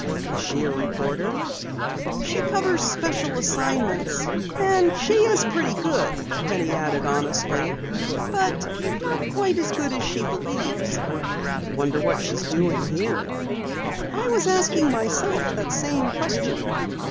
"Is she a reporter?" "She covers special assignments. And she is pretty good," Penny added honestly. "But not quite as good as she believes." "Wonder what she's doing here?" "I was asking myself that same question."